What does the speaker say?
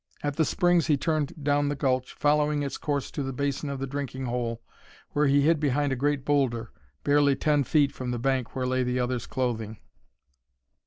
At the springs he turned down the gulch, following its course to the basin of the drinking hole, where he hid behind a great boulder, barely ten feet from the bank where lay the other's clothing.